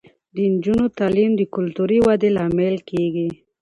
د نجونو تعلیم د کلتوري ودې لامل کیږي.